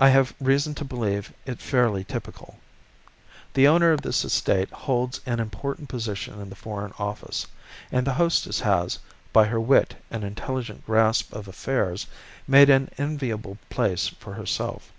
I have reason to believe it fairly typical. The owner of this estate holds an important position in the Foreign Office, and the hostess has, by her wit and intelligent grasp of affairs, made an enviable place for herself.